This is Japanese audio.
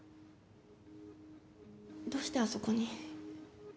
どうしてあそこに？